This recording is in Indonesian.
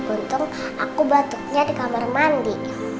untung aku batuknya dikamar mandi